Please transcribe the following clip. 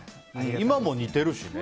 今も似てるしね。